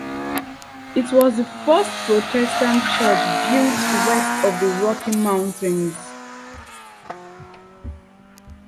It was the first Protestant church built west of the Rocky Mountains.